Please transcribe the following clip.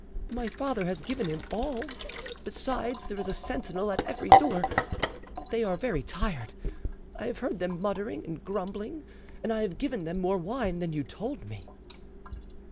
My father has given him all: besides, there is a sentinel at every door; but they are very tired; I have heard them muttering and grumbling, and I have given them more wine than you told me."